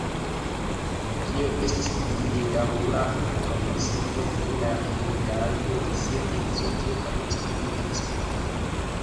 Kio estis longedaŭra malkonsento pri la heredaĵo de sia edzo, tio fariĝis publika disputo.